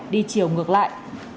đi chiều ngược lại